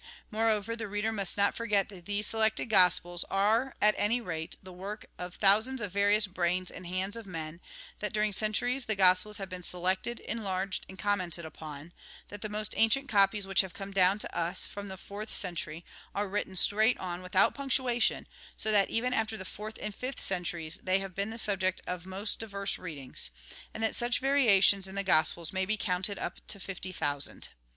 Moreover, the reader must not forget that these selected Gospels are, at anyrate, the work of thousands of various brains and hands of men ; that during centuries the Gospels have been selected, enlarged, and commented upon ; that the most ancient copies which have come down to us, from the fourth century, are written straight on without punctuation, so that, even after the fourth and fifth centuries, they have been the subject of the most diverse readings ; and that such variations in the Gospels may be counted up to fifty thousand.